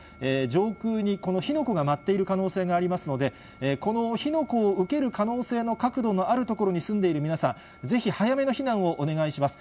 上空にこの火の粉が舞っている可能性がありますので、この火の粉を受ける可能性の角度のある所に住んでいる皆さん、ぜひ早めの避難をお願いします。